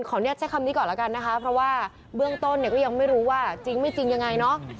ใช้คำนี้ก่อนแล้วกันนะคะเพราะว่าเบื้องต้นเนี่ยก็ยังไม่รู้ว่าจริงไม่จริงยังไงเนาะ